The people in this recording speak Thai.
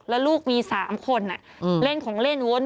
แล้วลูกมี๓คนเล่นของเล่นวน